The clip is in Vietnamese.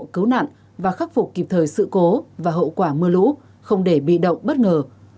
cứu nạn và khắc phục kịp thời sự cố và hậu quả mưa lũ không để bị động bất ngờ